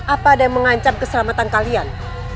apa ada yang mengancam keselamatan kalian